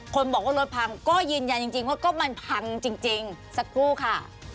คนบอกว่ารถพังก็ยืนยันจริงว่าก็มันพังจริงสักครู่ค่ะ